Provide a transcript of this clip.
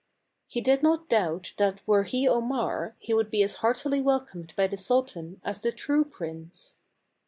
He did not doubt that were he Omar he would be as heartily welcomed by the sultan as the true prince.